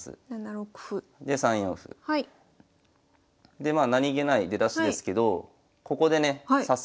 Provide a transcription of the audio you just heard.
でまあ何気ない出だしですけどここでね早速。